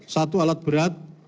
satu alat berat